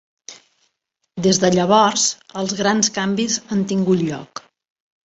Des de llavors, els grans canvis han tingut lloc.